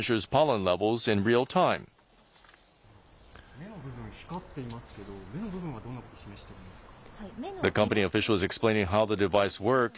目の部分光っていますけど目の部分はどんなことを示しているんですか。